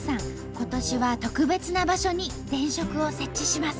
今年は特別な場所に電飾を設置します。